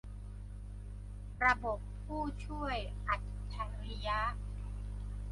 ระบบผู้ช่วยอัจฉริยะ